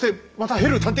ヘルー探偵！